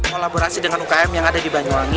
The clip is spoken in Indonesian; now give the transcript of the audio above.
kolaborasi dengan ukm yang ada di banyuwangi